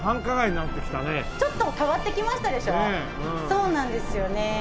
そうなんですよね。